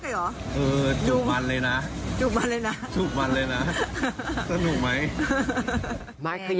เรียกกันว่าแฟนละครค่ะ